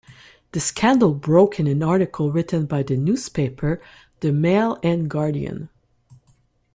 The scandal broke in an article written by the newspaper the Mail and Guardian.